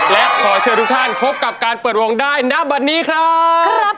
และขอเชิญทุกท่านพบกับการเปิดวงได้ณวันนี้ครับ